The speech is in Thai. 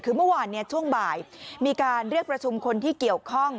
คือเมื่อวานช่วงบ่ายมีการเรียกประชุมคนที่เกี่ยวข้อง